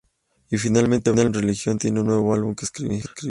Y finalmente, Bad Religion tiene un nuevo álbum que escribir.